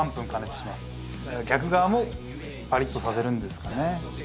逆側もパリッとさせるんですかね。